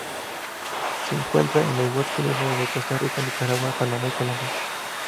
Se encuentra en los bosques húmedos en Costa Rica, Nicaragua, Panamá y Colombia.